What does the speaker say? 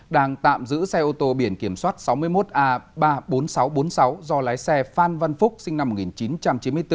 đang tạm giữ xe ô tô biển kiểm soát sáu mươi một a ba mươi bốn nghìn sáu trăm bốn mươi sáu do lái xe phan văn phúc sinh năm một nghìn chín trăm chín mươi bốn